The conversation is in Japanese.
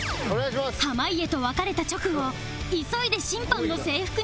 濱家と別れた直後急いで審判の制服にチェンジ